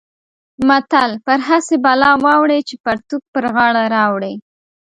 متل: پر هسې بلا واوړې چې پرتوګ پر غاړه راوړې.